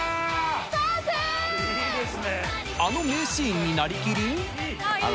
あの名シーンになりきり。